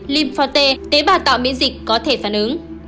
lympho t tế bào tạo biến dịch có thể phản ứng